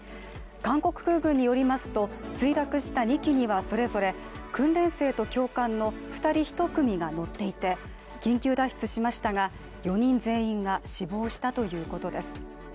韓国空軍によりますと墜落した２機にはそれぞれ、訓練生と教官の２人１組が乗っていて緊急脱出しましたが４人全員が死亡したということです。